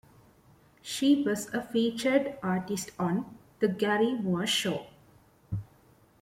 She was a featured artist on "The Garry Moore Show".